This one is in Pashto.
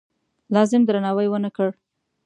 لازم درناوی ونه کړ.